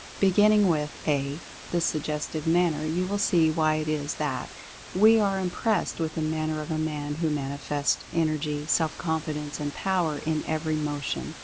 Beginning with (a) the Suggestive Manner ] you will see why it is that we are impressed with the manner of a man who manifests Energy, Self Confidence, and Power in every motion.